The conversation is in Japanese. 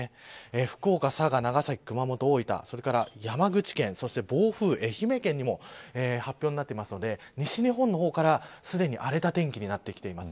福岡、佐賀、長崎、熊本、大分それから山口県暴風は愛媛県にも発表になっているので西日本からすでに荒れた天気になってきています。